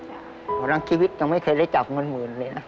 เงินหมื่นนี่ของรังชีวิตยังไม่เคยได้จับเงินหมื่นเลยนะ